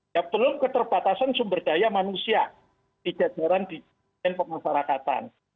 ya belum keterbatasan sumber daya manusia di jajaran di pemasarakatan